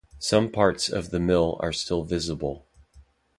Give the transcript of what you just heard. Some parts of the mill are still visible.